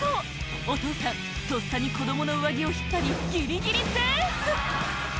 お父さんとっさに子供の上着を引っ張りギリギリセーフ！